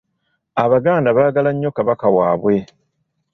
Abaganda baagala nnyo Kabaka waabwe.